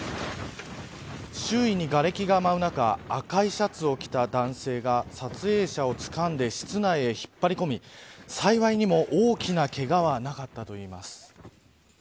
周囲にがれきが舞う中赤いシャツを着た男性が撮影者をつかんで室内へ引っ張り込み幸いにも大きなけがはなかったといいます。